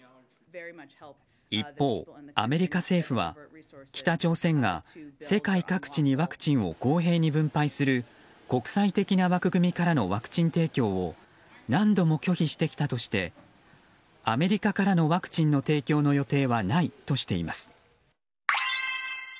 一方、アメリカ政府は北朝鮮が世界各地にワクチンを公平に分配する国際的な枠組みからのワクチン提供を何度も拒否してきたとしてアメリカからのワクチンの提供の予定はないとしています。